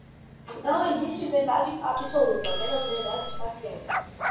Não existe verdade absoluta, apenas verdades parciais.